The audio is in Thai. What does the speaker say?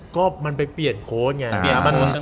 ก็มันไปเปลี่ยนโค้ดไง